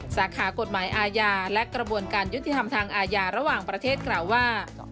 สาขากฎหมายอาญาและกระบวนการยุติธรรมทางอาญาระหว่างประเทศกล่าวว่า